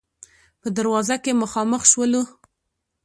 په دروازه کې مخامخ شولو.